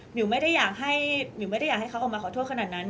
หมิวไม่ได้อยากให้เขาออกมาขอโทษขนาดนั้น